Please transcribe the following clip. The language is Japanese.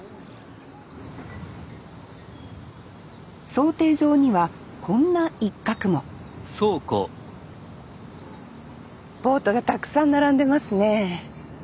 漕艇場にはこんな一角もボートがたくさん並んでますね。